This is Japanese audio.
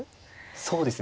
そうですね。